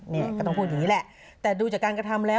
นี่ก็ต้องพูดอย่างนี้แหละแต่ดูจากการกระทำแล้ว